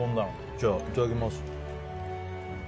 じゃあいただきます。